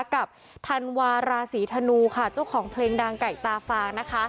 ธันวาราศีธนูค่ะเจ้าของเพลงดังไก่ตาฟางนะคะ